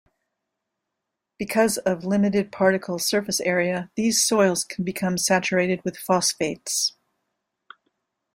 Because of limited particle surface area, these soils can become saturated with phosphates.